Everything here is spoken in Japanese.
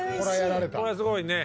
これはすごいね。